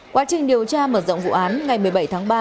quá trình điều tra mở rộng vụ án ngày một mươi bảy tháng ba